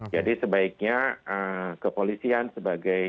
jadi sebaiknya kepolisian sebagai